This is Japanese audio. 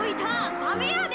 サメやで。